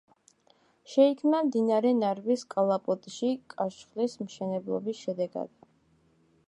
შეიქმნა მდინარე ნარვის კალაპოტში კაშხლის მშენებლობის შედეგად.